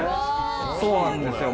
そうなんですよ